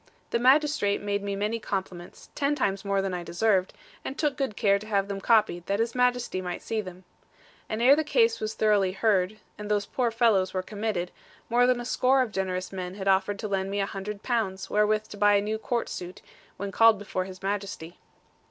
The magistrate made me many compliments, ten times more than I deserved, and took good care to have them copied, that His Majesty might see them. And ere the case was thoroughly heard, and those poor fellows were committed, more than a score of generous men had offered to lend me a hundred pounds, wherewith to buy a new Court suit, when called before His Majesty.